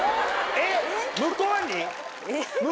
えっ向こうに？